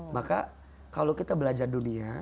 maka kalau kita belajar dunia